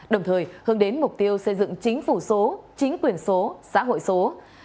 đồng thời hướng đến mục tiêu xây dựng chính phủ số chính quyền số xã hội số